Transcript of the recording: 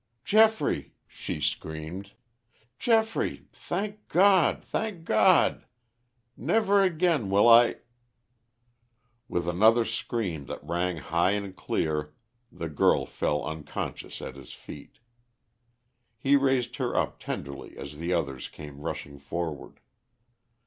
"Geoffrey!" she screamed, "Geoffrey! Thank God, thank God! Never again will I " With another scream that rang high and clear, the girl fell unconscious at his feet. He raised her up tenderly as the others came rushing forward.